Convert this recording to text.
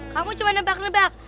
kamu cuma nebak nebak